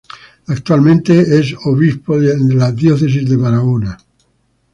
Actualmente es obispo de la Diócesis de Barahona.